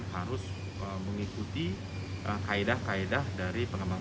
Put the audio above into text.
sebagai penyelidikan melakukan pengembang biakan harus mengikuti kaedah kaedah dari pengembang